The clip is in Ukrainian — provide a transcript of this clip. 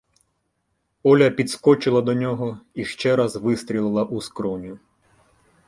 Оля підскочила до нього і ще раз вистрелила у скроню.